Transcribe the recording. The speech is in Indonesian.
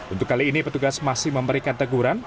untuk kali ini petugas masih memberikan teguran